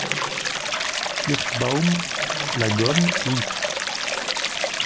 Kirschbaum. — La gomme, oui !